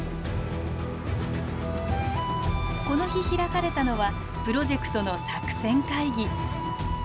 この日開かれたのはプロジェクトの作戦会議。